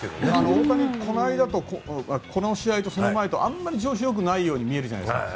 大谷、この試合とその前とあまり調子が良くないように見えるじゃないですか。